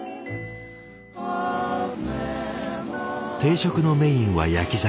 定食のメインは焼き魚。